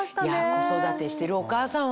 子育てしてるお母さんはね